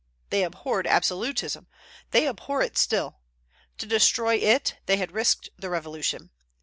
They abhorred absolutism; they abhor it still; to destroy it they had risked their Revolution.